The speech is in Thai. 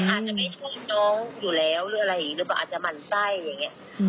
อาจจะไม่ช่วยน้องอยู่แล้วหรืออาจจะหมั่นไส้อย่างนี้